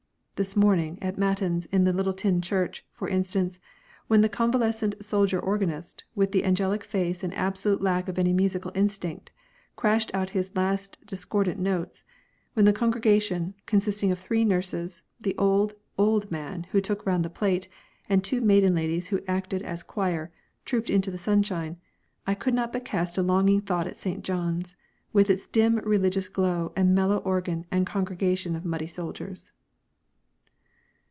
This morning, at Mattins in the little tin church, for instance, when the convalescent soldier organist, with the angelic face and absolute lack of any musical instinct, crashed out his last discordant notes, when the congregation, consisting of three nurses, the old, old man who took round the plate, and two maiden ladies who acted as choir, trooped into the sunshine, I could not but cast a longing thought at St. John's, with its dim religious glow and mellow organ and congregation of muddy soldiers.